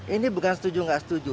ini bukan setuju atau tidak setuju